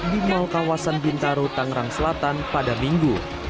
di mal kawasan bintaro tangerang selatan pada minggu